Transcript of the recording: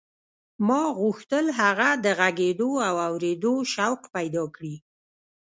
ما غوښتل هغه د غږېدو او اورېدو شوق پیدا کړي